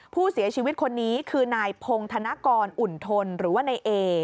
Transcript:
ผู้เสียชีวิตคนนี้คือนายพงธนกรอุ่นทนหรือว่านายเอ